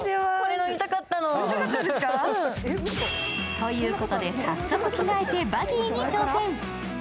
ということで早速、着替えてバギーに挑戦。